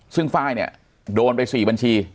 ซึ่งไฟล์เนี่ยโดนไป๔บัญชี